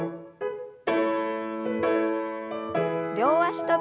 両脚跳び。